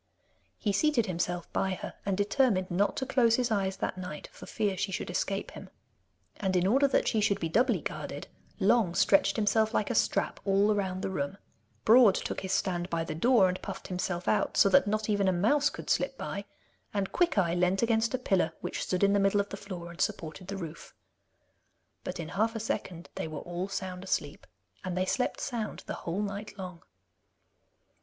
He seated himself by her, and determined not to close his eyes that night, for fear she should escape him. And in order that she should be doubly guarded, Long stretched himself like a strap all round the room, Broad took his stand by the door and puffed himself out, so that not even a mouse could slip by, and Quickeye leant against a pillar which stood in the middle of the floor and supported the roof. But in half a second they were all sound asleep, and they slept sound the whole night long.